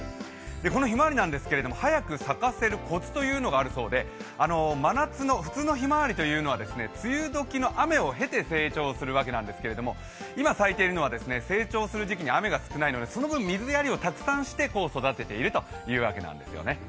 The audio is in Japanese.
このひまわりなんですけれども、早く咲かせるコツがあるそうで、真夏の普通のひまわりというのは梅雨時の雨を経て成長するわけですけど、今、咲いているのは成長する時期に雨が少ないのでその分、水やりをして育てているというわけなんですよね。